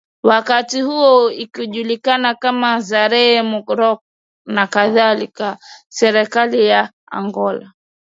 wakati huo ikijulikana kama Zaire Moroko nk Serikali ya Angola